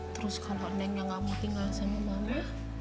terus kalau neneknya gak mau tinggal sama mama